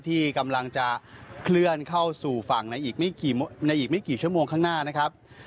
ที่กำลังจะเคลื่อนเข้าสู่ฝั่งในอีกในอีกไม่กี่ชั่วโมงข้างหน้านะครับ